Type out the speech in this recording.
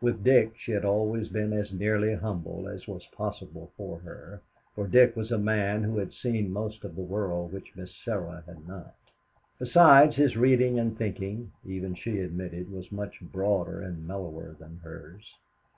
With Dick, she had always been as nearly humble as was possible for her, for Dick was a man who had seen most of the world which Miss Sarah had not. Besides, his reading and thinking, even she admitted, was much broader and mellower than hers.